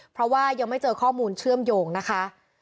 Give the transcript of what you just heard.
เพราะว่ายังไม่เจอข้อมูลเชื่อมโยงนะคะ